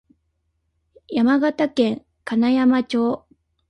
山形県金山町